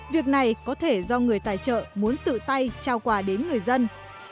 việc này có thể do người tài trợ muốn tự tay trao quà đến người dân